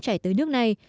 trải tới nước này